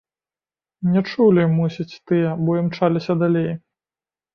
Не чулі, мусіць, тыя, бо імчаліся далей.